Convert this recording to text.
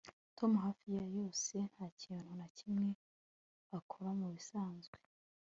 Tom hafi ya yose ntakintu na kimwe akora mubisanzwe